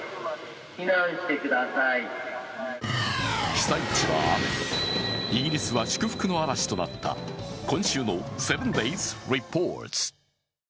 被災地は雨イギリスは祝福の嵐となった今週の「７ｄａｙｓリポート」。